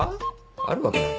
あるわけないだろ。